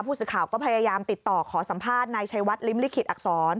ผู้สื่อข่าวก็พยายามติดต่อขอสัมภาษณ์นายชัยวัดริมลิขิตอักษร